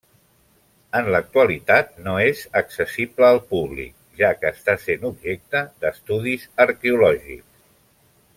En l'actualitat no és accessible al públic, ja que està sent objecte d'estudis arqueològics.